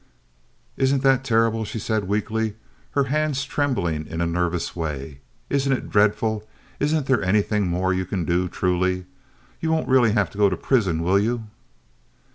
"Isn't that terrible?" she said, weakly, her hands trembling in a nervous way. "Isn't it dreadful? Isn't there anything more you can do, truly? You won't really have to go to prison, will you?"